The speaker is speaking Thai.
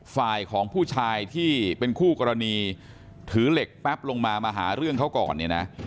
ฝ่ายของผู้ชายที่เป็นคู่กรณีถือเหล็กแป๊บลงมามาหาเรื่องเขาก่อนเนี่ยนะ